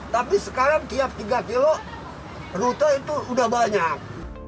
tapi sekarang tiap tiga kilo rute itu sudah banyak